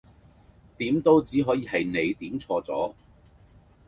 點都只可以係你點錯咗